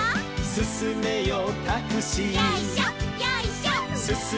「すすめよタクシー」